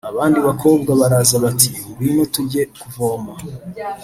abandi bakobwa baraza bati ‘ngwino tujye kuvoma.’